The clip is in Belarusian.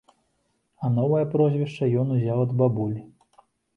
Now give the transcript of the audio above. А новае прозвішча ён узяў ад бабулі.